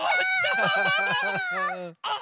あっ！